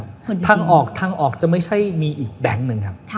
ทางออกทางออกจะไม่ใช่มีอีกแบงค์หนึ่งครับ